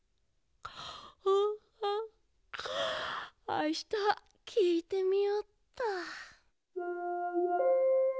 あしたきいてみよっと。